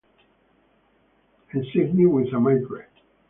Ensigned with a mitre.